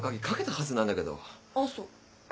あっそう。